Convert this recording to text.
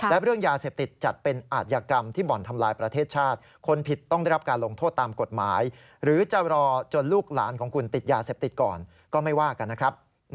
และเรื่องยาเสพติดจัดเป็นอาธิกรรมที่บ่อนทำลายประเทศชาติคนผิดต้องได้รับการลงโทษตามกฎหมายหรือจะรอจนลูกหลานของคุณติดยาเสพติดก่อนก็ไม่ว่ากันนะครับ